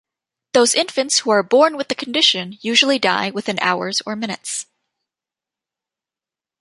Those infants who are born with the condition usually die within hours or minutes.